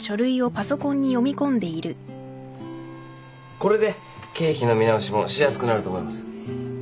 これで経費の見直しもしやすくなると思います。